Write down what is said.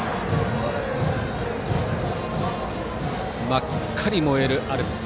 真っ赤に燃えるアルプス。